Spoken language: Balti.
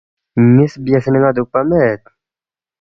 نِ٘یس بیاسے ن٘ا دُوکپا مید